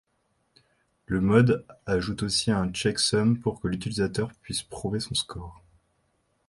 Le mod ajoute aussi un checksum pour que l'utilisateur puisse prouver son score.